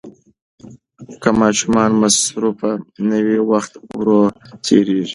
که ماشومان مصروف نه وي، وخت ورو تېریږي.